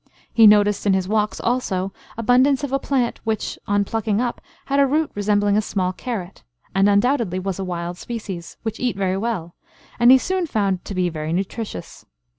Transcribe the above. He noticed in his walks also, abundance of a plant, which, on plucking up, had a root resembling a small carrot, and undoubtedly was a wild species, which eat very well, and he soon found to be very nutritious.